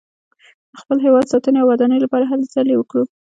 د خپل هېواد ساتنې او ودانۍ لپاره هلې ځلې وکړو.